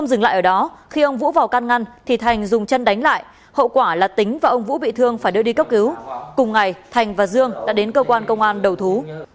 sau đó thành dùng chân đánh lại hậu quả là tính và ông vũ bị thương phải đưa đi cấp cứu cùng ngày thành và dương đã đến cơ quan công an đầu thú